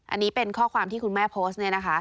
อันนี้เป็นข้อความที่คุณแม่โพสต์